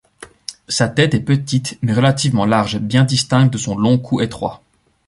Sa tête est petite mais relativement large, bien distincte de son long cou étroit.